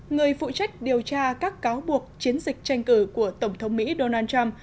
người phụ trách điều tra các cáo buộc chiến dịch tranh cử của tổng thống mỹ donald trump